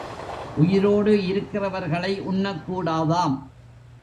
உயிரோடு இருக்கிறவர்களை உண்ணக் கூடாதாம்.